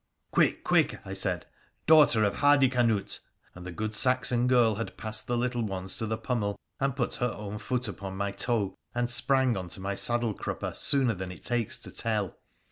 ' Quick, quick !' I said, ' daughter of Hardicanute,' and the good Saxon girl had passed the little ones to the pummel and put her own foot upon my toe and sprang on to my saddle crupper sooner than it takes to tell.